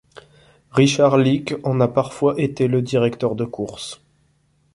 Richard Leeke en a parfois été le directeur de course.